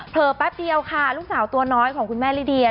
แป๊บเดียวค่ะลูกสาวตัวน้อยของคุณแม่ลิเดีย